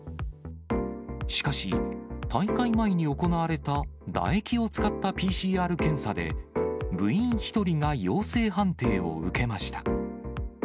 しかし、大会前に行われた唾液を使ったＰＣＲ検査で、部員１人が陽性判定を受けました。